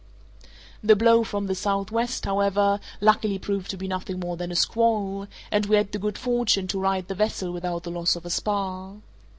The blow from the southwest, however, luckily proved to be nothing more than a squall, and we had the good fortune to right the vessel without the loss of a spar.